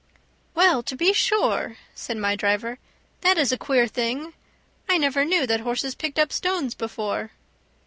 "Well, to be sure!" said my driver; "that is a queer thing! I never knew that horses picked up stones before."